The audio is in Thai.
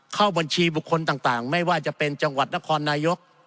เข้าบัญชีบุคคลต่างไม่ว่าจะเป็นจังหวัดนครนายก